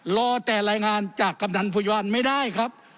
รอแต่รายงานจากกำนันพยาบาลไม่ได้ครับ